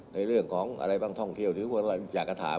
ในเรื่องของอะไรบ้างท่องเที่ยวที่คนเราอยากจะถาม